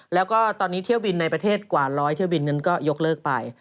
แล้วก็ตอนนี้เที่ยวบินในประเทศกว่า๑๐๐เที่ยวบินนั้นก็ยกเลิกไป